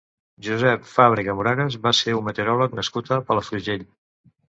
Josep Fàbrega Moragas va ser un meteoròleg nascut a Palafrugell.